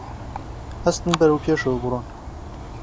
هەستن بەرەو پێشەوە بڕۆن